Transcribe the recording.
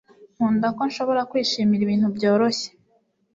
Nkunda ko nshobora kwishimira ibintu byoroshye